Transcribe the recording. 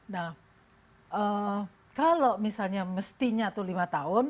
nah kalau misalnya mestinya itu lima tahun